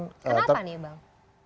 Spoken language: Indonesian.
kenapa nih bang